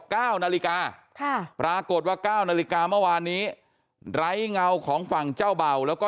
เก้านาฬิกาค่ะปรากฏว่าเก้านาฬิกาเมื่อวานนี้ไร้เงาของฝั่งเจ้าเบาแล้วก็